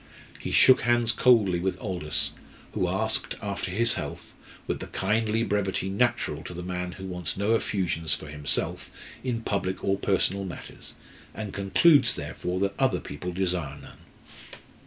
He shook hands coldly with Aldous, who asked after his health with the kindly brevity natural to the man who wants no effusions for himself in public or personal matters, and concludes therefore that other people desire none.